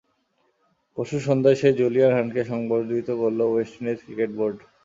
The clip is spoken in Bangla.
পরশু সন্ধ্যায় সেই জুলিয়ান হান্টকে সংবর্ধিত করল ওয়েস্ট ইন্ডিজ ক্রিকেট বোর্ড।